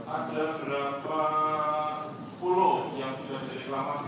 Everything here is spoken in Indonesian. ada berapa pulau yang sudah direklamasi